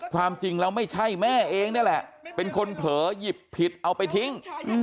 ความจริงแล้วไม่ใช่แม่เองนี่แหละเป็นคนเผลอหยิบผิดเอาไปทิ้ง